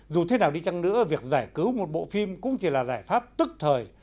dù thế nào đi chăng nữa việc giải cứu một bộ phim cũng chỉ là giải pháp tức thời